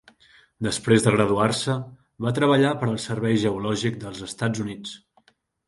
Després de graduar-se va treballar per al Servei Geològic dels Estats Units.